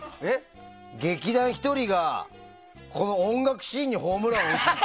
劇団ひとりが、この音楽シーンにホームランを打つ日だよ。